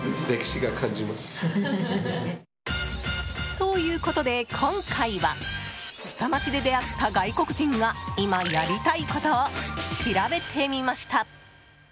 ということで、今回は下町で出会った外国人が今やりたいことを調べてみました。